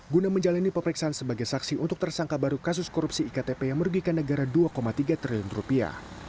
guna menjalani pemeriksaan sebagai saksi untuk tersangka baru kasus korupsi iktp yang merugikan negara dua tiga triliun rupiah